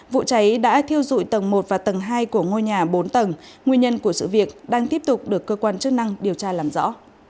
vụ cháy đã thiêu dụi tầng một và tầng hai của ngôi nhà bốn tầng nguyên nhân của sự việc đang tiếp tục được cơ quan chức năng điều tra làm rõ